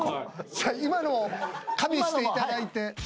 さあ今のを加味していただいて。